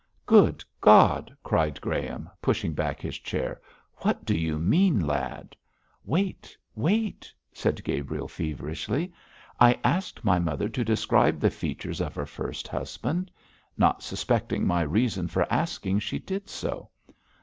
'Good God!' cried Graham, pushing back his chair. 'What do you mean, lad?' 'Wait! wait!' said Gabriel, feverishly. 'I asked my mother to describe the features of her first husband. Not suspecting my reason for asking, she did so.